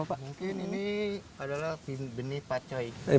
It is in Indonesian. mungkin ini adalah benih pakcoy